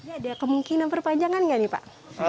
ada kemungkinan perpanjangan nggak nih pak